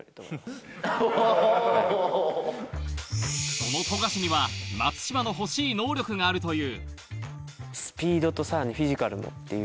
その富樫には、松島の欲しい能力があるという。